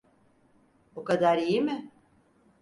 O kadar iyi mi?